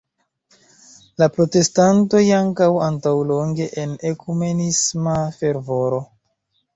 La protestantoj ankaŭ antaŭlonge en ekumenisma fervoro.